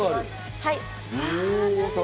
はい。